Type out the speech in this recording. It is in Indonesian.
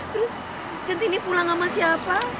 terus centini pulang sama siapa